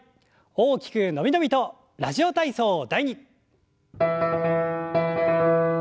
大きく伸び伸びと「ラジオ体操第２」。